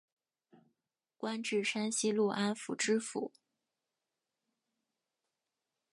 官至山西潞安府知府。